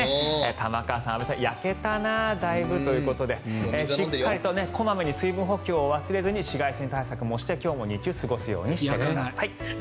玉川さん、安部さん焼けたな。ということでしっかりと小まめに水分補給を忘れずに紫外線対策もして今日も日中お気をつけください。